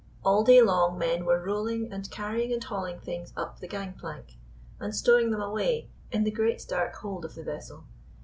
All day long men were rolling and carrying and hauling things up the gang plank, and stowing them away in the great dark hold of the vessel.